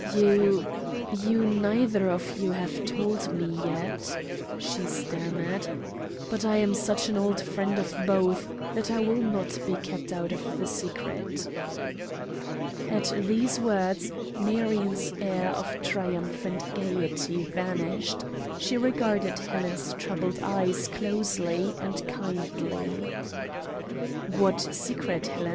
You you neither of you have told me yet," she stammered, "but I am such an old friend of both that I will not be kept out of the secret." At these words Marion's air of triumphant gayety vanished; she regarded Helen's troubled eyes closely and kindly. "What secret, Helen?"